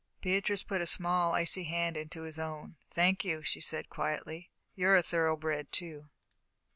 Beatrice put a small, icy hand into his own. "Thank you," she said quietly; "you're a thoroughbred, too."